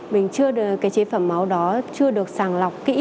mình chưa được cái chế phẩm máu đó chưa được sàng lọc kỹ